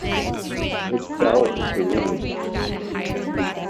It fell into ruin.